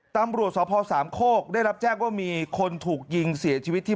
ตำรวจสพสามโคกได้รับแจ้งว่ามีคนถูกยิงเสียชีวิตที่